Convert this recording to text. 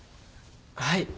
はい。